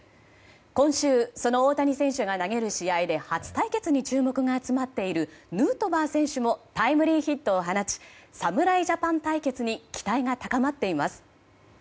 今週、その大谷選手が投げる試合で初対決に注目が集まっているヌートバー選手もタイムリーヒットを放ち侍ジャパン対決に期待が高まっています。